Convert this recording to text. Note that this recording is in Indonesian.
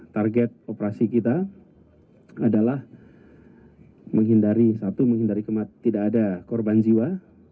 target operasi kita adalah menghindari satu menghindari kematian tidak ada korban jiwa